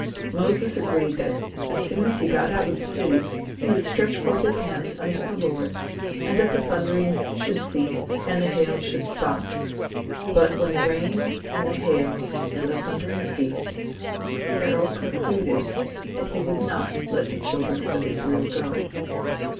Moses agreed that as soon as he got out of the city he would stretch forth his hands unto the Lord, and that the thunderings should cease and the hail should stop. But, when the rain and the hail and the thundering ceased, Pharaoh concluded that he would not let the children of Israel go.